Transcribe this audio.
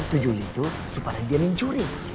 tujul itu supaya dia mencuri